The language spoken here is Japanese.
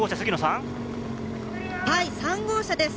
３号車です。